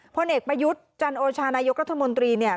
พลเอกประยุทธ์จันโอชานายกรัฐมนตรีเนี่ย